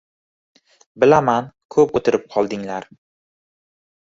Bilaman ko`p o`tirib qoldinglar